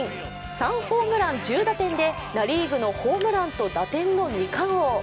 ３ホームラン１０打点でナ・リーグのホームランと打点の２冠王。